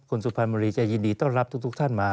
สุพรรณบุรีจะยินดีต้อนรับทุกท่านมา